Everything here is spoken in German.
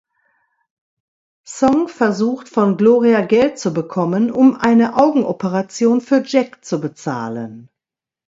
Song versucht, von Gloria Geld zu bekommen, um eine Augenoperation für Jack zu bezahlen.